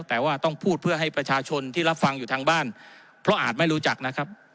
แต่ว่าต้องพูดเพื่อให้ประชาชนที่รับฟังอยู่ทางบ้านเพราะอาจไม่รู้จักนะครับ